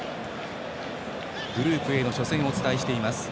グループＡの初戦をお伝えしています。